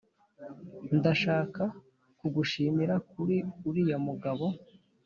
ndashaka kugushimira kuri uriya mugabo '